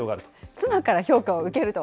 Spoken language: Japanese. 妻から評価を受けると？